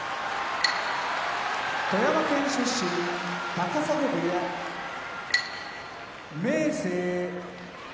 富山県出身高砂部屋明生